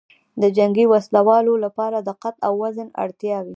د جنګي وسلو لواو لپاره د قد او وزن اړتیاوې